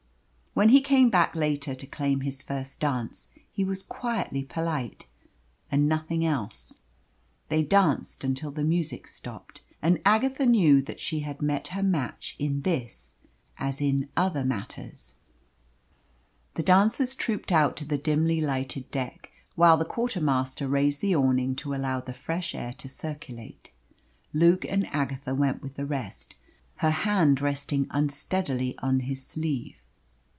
When he came back later to claim his first dance, he was quietly polite, and nothing else. They danced until the music stopped, and Agatha knew that she had met her match in this as in other matters. The dancers trooped out to the dimly lighted deck, while the quartermaster raised the awning to allow the fresh air to circulate. Luke and Agatha went with the rest, her hand resting unsteadily on his sleeve.